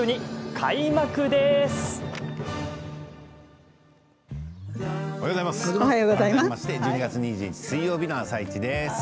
改めまして１２月２１日水曜日の「あさイチ」です。